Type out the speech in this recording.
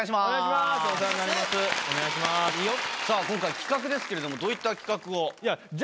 さぁ今回企画ですけれどもどういった企画を？